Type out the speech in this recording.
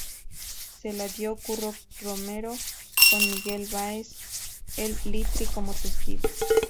Se la dio Curro Romero, con Miguel Báez "El Litri" como testigo.